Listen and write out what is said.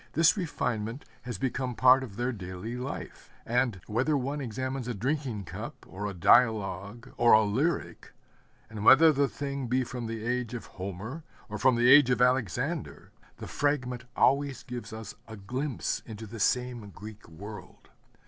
This refinement has become part of their daily life; and whether one examines a drinking cup or a dialogue or a lyric, and whether the thing be from the age of Homer or from the age of Alexander, the fragment always gives us a glimpse into the same Greek world.